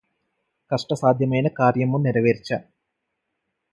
కష్టసాధ్యమైన కార్యమ్ము నెరవేర్ప